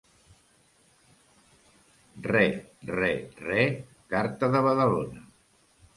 Re, re, re, carta de Badalona.